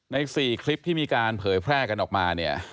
ใน๔คลิปที่มีการเผยแพร่กันออกมาเนี่ย